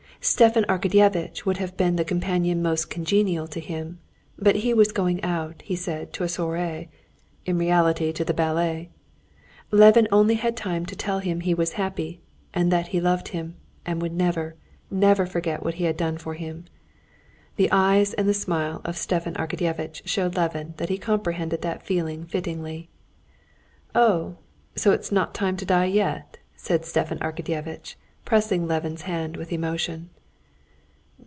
Stepan Arkadyevitch would have been the companion most congenial to him, but he was going out, he said, to a soirée, in reality to the ballet. Levin only had time to tell him he was happy, and that he loved him, and would never, never forget what he had done for him. The eyes and the smile of Stepan Arkadyevitch showed Levin that he comprehended that feeling fittingly. "Oh, so it's not time to die yet?" said Stepan Arkadyevitch, pressing Levin's hand with emotion.